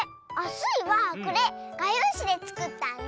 スイはこれ！がようしでつくったんだ。